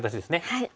はい。